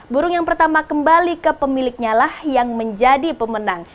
burung yang pertama kembali ke pemiliknya lah yang menjadi pemenang